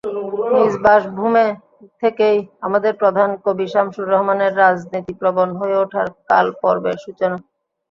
নিজবাসভূমে থেকেই আমাদের প্রধান কবি শামসুর রাহমানের রাজনীতিপ্রবণ হয়ে ওঠার কালপর্বের সূচনা।